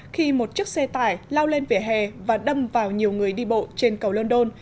khi một chiếc xe tải lao lên vỉa hè và đâm vào nhiều người đi bộ trên cầu london